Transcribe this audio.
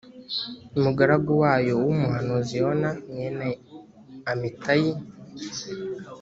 mugaragu wayo w umuhanuzi yona mwene amitayi